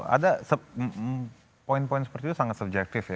ada poin poin seperti itu sangat subjektif ya